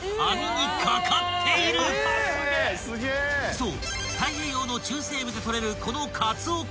［そう］